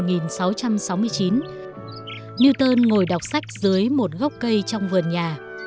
newton ngồi đọc sách dưới một gốc cây trong vườn nhà